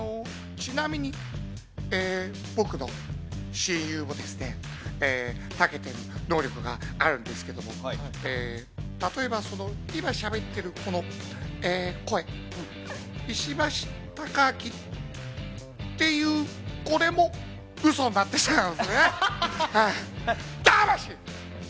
ちなみに僕の親友もですね、長けてる能力があるんですけれども、例えばその、今しゃべっているこの声、石橋貴明っていうこれも、ウソなんですけれどもね、はい。